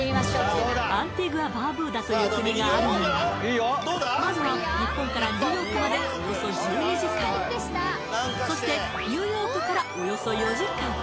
アンティグア・バーブーダという国があるのはまずは日本からニューヨークまでおよそ１２時間そしてニューヨークからおよそ４時間